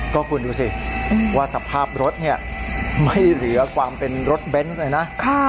ก็คุณดูสิว่าสภาพรถเนี่ยไม่เหลือความเป็นรถเบนส์เลยนะ